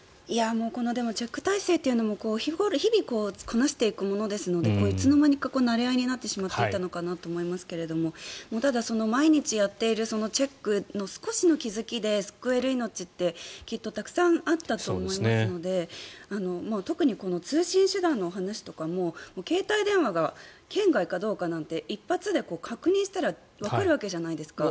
このチェック体制も日々、こなしていくものですのでいつの間にか、なれ合いになってしまっていたのかなと思いますがただ、毎日やっているチェックの少しの気付きで救える命って、きっとたくさんあったと思いますので特に通信手段の話とかも携帯電話が圏外かどうかなんて一発で確認したらわかるわけじゃないですか。